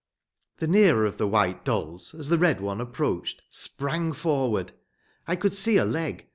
The nearer of the white dolls, as the red one approached, sprang forward. I could see a leg.